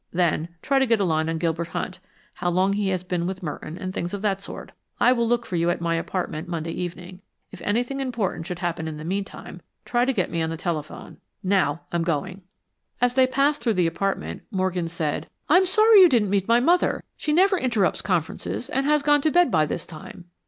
"Then try to get a line on Gilbert Hunt; how long he has been with Merton, and things of that sort. I will look for you at my apartment Monday evening. If anything important should happen in the meantime, try to get me on the telephone. Now, I'm going." As they passed through the apartment, Morgan said, "I'm sorry you didn't meet my mother. She never interrupts conferences, and has gone to bed by this time."